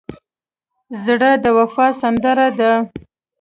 زړه د وفا سندره ده.